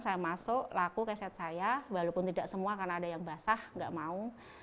saya masuk laku keset saya walaupun tidak semua karena ada yang basah nggak mau